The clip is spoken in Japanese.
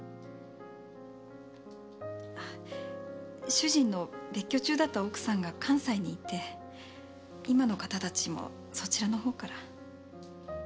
主人の別居中だった奥さんが関西にいて今の方たちもそちらのほうから。